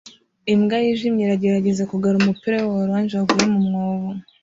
Imbwa yijimye iragerageza kugarura umupira we wa orange waguye mu mwobo